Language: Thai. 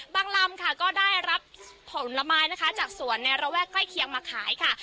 ลำค่ะก็ได้รับผลไม้นะคะจากสวนในระแวกใกล้เคียงมาขายค่ะ